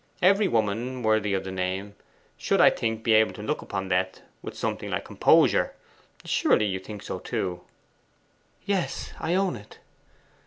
Every woman worthy of the name should, I think, be able to look upon death with something like composure. Surely you think so too?' 'Yes; I own it.